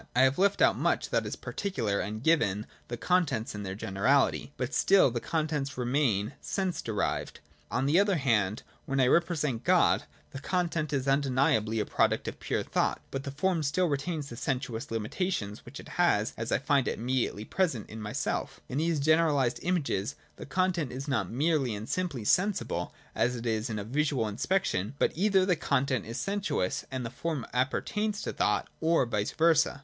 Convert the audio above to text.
I have left out much that is particular and given the contents in their generality : but still the contents remain sense derived.' On the other hand, when I represent God, the content is undeniably a product of pure thought, but the form still retains the sen suous limitations which it has as I find it immediately present in myself In these generalised images the content is not merely and simply sensible, as it is in a visual inspec tion ; but either the content is sensuous and the form apper tains to thought, or vice versa.